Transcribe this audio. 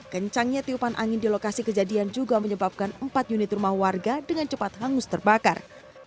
kencangnya tiupan angin di lokasi kejadian juga menyebabkan empat unit rumah warga dengan cepat hangus terbakar